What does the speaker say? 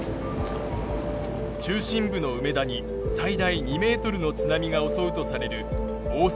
中心部の梅田に最大２ｍの津波が襲うとされる大阪市。